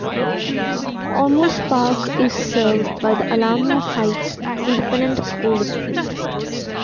Olmos Park is served by the Alamo Heights Independent School District.